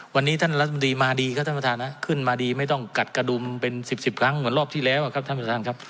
วันนี้ท่านรัฐมนตรีมาดีครับท่านประธานขึ้นมาดีไม่ต้องกัดกระดุมเป็นสิบสิบครั้งเหมือนรอบที่แล้วครับท่านประธานครับ